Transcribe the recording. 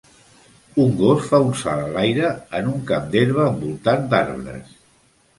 Un gos fa un salt a l'aire en un camp d'herba envoltat d'arbres.